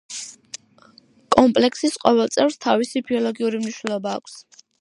კომპლექსის ყოველ წევრს თავისი ბიოლოგიური მნიშვნელობა აქვს.